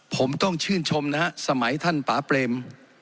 ผมต้องชื่นชมนะฮะสมัยท่านป่าเปรม